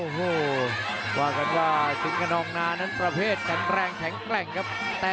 โอ้โหว่ากันว่าสิงขนองนานั้นประเภทแข็งแรงแข็งแกร่งครับ